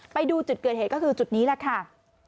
ไปดูจุดเกิดเหตุก็คือจุดนี้แหละค่ะ